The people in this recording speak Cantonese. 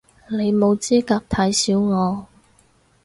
你冇資格睇小我